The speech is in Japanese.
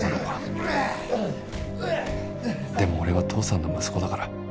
でも俺は父さんの息子だから